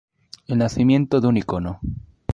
El nacimiento de un icono".